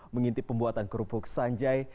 mengintip pembuatan kerupuk sanjay